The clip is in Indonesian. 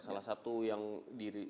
salah satu yang di